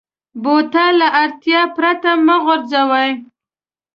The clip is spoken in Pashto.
بوتل له اړتیا پرته مه غورځوه.